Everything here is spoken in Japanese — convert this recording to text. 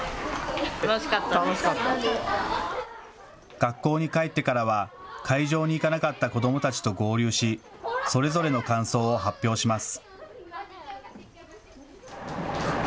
学校に帰ってからは、会場に行かなかった子どもたちと合流し、それぞれの感想を発表します。